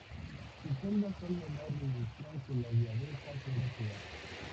Sus celdas son de menor dimensión que las de abejas europeas.